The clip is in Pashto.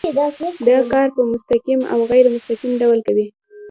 دا کار په مستقیم او غیر مستقیم ډول کوي.